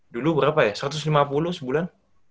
dulu berapa ya satu ratus lima puluh sebulan